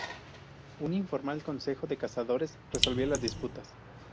Un informal Consejo de Cazadores resolvía las disputas.